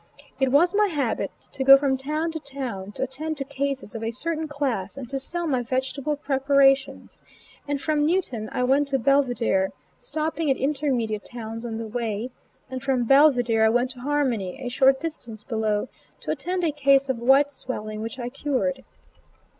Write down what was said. It was my habit to go from town to town to attend to cases of a certain class and to sell my vegetable preparations; and from Newtown I went to Belvidere, stopping at intermediate towns on the way, and from Belvidere I went to Harmony, a short distance below, to attend a case of white swelling, which I cured.